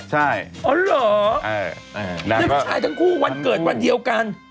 ใช่อ๋อเหรอเพื่อนผู้ชายทั้งคู่วันเกิดวันเดียวกัน